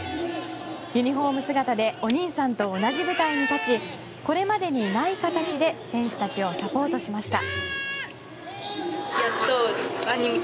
ユニホーム姿でお兄さんと同じ舞台に立ちこれまでにない形で選手たちをサポートしました。